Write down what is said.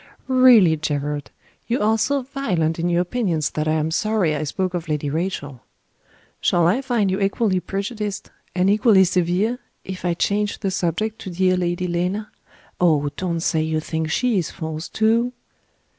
"Really, Gerard, you are so violent in your opinions that I am sorry I spoke of Lady Rachel. Shall I find you equally prejudiced, and equally severe, if I change the subject to dear Lady Lena? Oh, don't say you think She is false, too!"